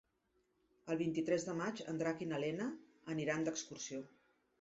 El vint-i-tres de maig en Drac i na Lena aniran d'excursió.